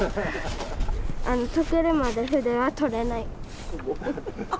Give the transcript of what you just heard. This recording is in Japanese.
とけるまで筆は取れない。